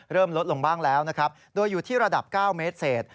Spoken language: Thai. เริ่มลดลงบ้างแล้วนะครับโดยอยู่ที่ระดับ๙เมตรเศษ